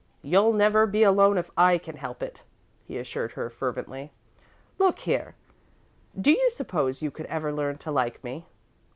"You'll never be alone if I can help it," he assured her, fervently. "Look here, do you suppose you could ever learn to like me?"